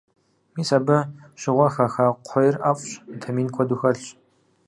Мис абы щыгъуэ хаха кхъуейр ӏэфӏщ, витамин куэду хэлъщ.